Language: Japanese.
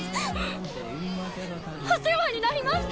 お世話になりました。